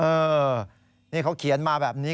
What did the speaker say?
เออนี่เขาเขียนมาแบบนี้